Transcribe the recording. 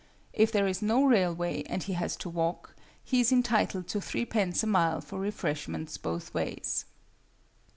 If there is no railway, and he has to walk, he is entitled to threepence a mile for refreshments both ways.